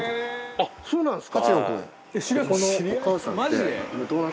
あっそうなんですか？